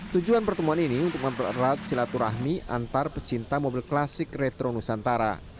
tujuan pertemuan ini untuk mempererat silaturahmi antar pecinta mobil klasik retro nusantara